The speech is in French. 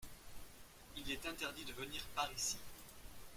Il est interdit de venir par ici.